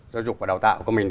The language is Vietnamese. giáo dục và đào tạo của mình